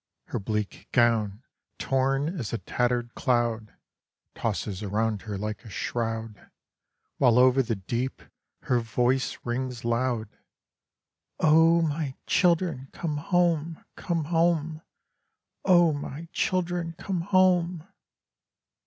Her bleak gown, torn as a tattered cloud, Tosses around her like a shroud, While over the deep her voice rings loud, "O my children, come home, come home! O my children, come home!"